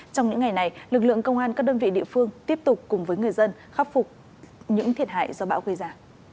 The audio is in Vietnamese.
trong những ngày này lực lượng công an các đơn vị địa phương tiếp tục cùng với người dân khắc phục những thiệt hại do bão gây ra